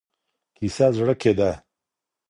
کیسه زړه کي ده.